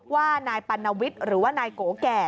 ว่านายปัณวิทย์หรือว่านายโกแก่